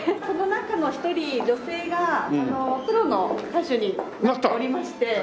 その中の１人女性がプロの歌手になっておりまして。